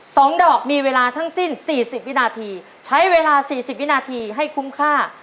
สองดอกมีเวลาทั้งสิ้นสี่สิบวินาทีใช้เวลาสี่สิบวินาทีให้คุ้มค่า